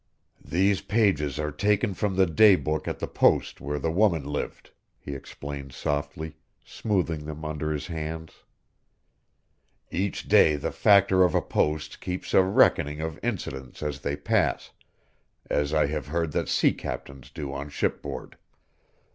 "These pages are taken from the day book at the post where the woman lived," he explained softly, smoothing them under his hands. "Each day the Factor of a post keeps a reckoning of incidents as they pass, as I have heard that sea captains do on shipboard.